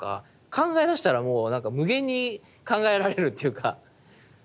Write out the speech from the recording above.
考え出したらもう無限に考えられるっていうかうん。